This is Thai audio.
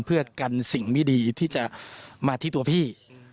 เพื่อกันสิ่งไม่ดีที่จะมาที่ตัวพี่